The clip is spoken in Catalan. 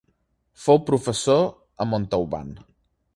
Fou professor a Montauban.